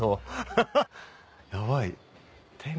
ハハっヤバい。